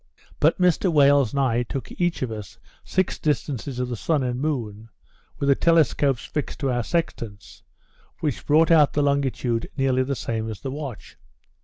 But Mr Wales and I took each of us six distances of the sun and moon, with the telescopes fixed to our sextants, which brought out the longitude nearly the same as the watch.